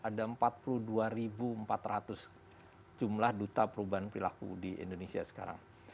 ada empat puluh dua empat ratus jumlah duta perubahan perilaku di indonesia sekarang